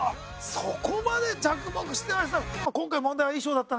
そこまで着目してらした。